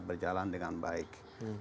berjalan dengan baik